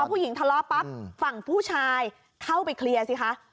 ผู้หญิงทะเลาะปั๊บฝั่งผู้ชายเข้าไปเคลียร์สิคะ